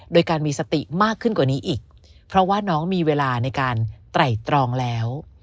โดยการมีสติมากขึ้นกว่านี้อีกเพราะว่าน้องมีเวลาในการไตรตรองแล้ว